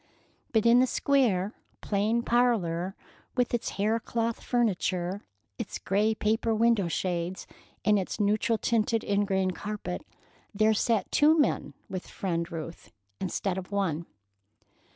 But in the square, plain parlor, with its hair cloth furniture, its gray paper window shades, and its neutral tinted ingrain carpet, there sat two men with Friend Ruth, instead of one.